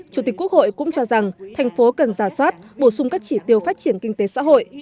chủ tịch quốc hội cũng cho rằng thành phố cần giả soát bổ sung các chỉ tiêu phát triển kinh tế xã hội